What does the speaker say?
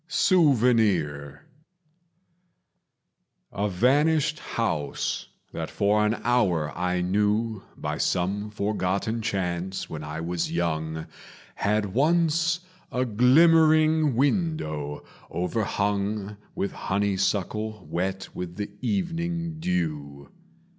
Souvenir A vanished house that for an hour I knew By some forgotten chance when I was young Had once a glimmering window overhung With honeysuckle wet with evening dew.